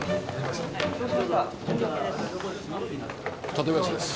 館林です。